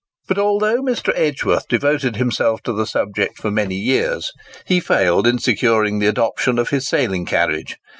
But although Mr. Edgworth devoted himself to the subject for many years, he failed in securing the adoption of his sailing carriage.